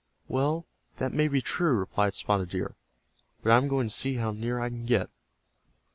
"Well, that may be true," replied Spotted Deer. "But I am going to see how near I can get."